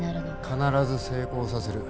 必ず成功させる。